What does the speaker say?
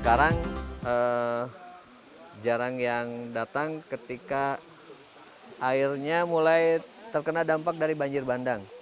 sekarang jarang yang datang ketika airnya mulai terkena dampak dari banjir bandang